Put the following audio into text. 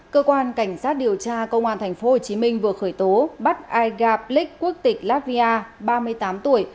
cơ quan cảnh sát điều tra công an tp hcm vừa khởi tố bắt ai gặp lịch quốc tịch latvia ba mươi tám tuổi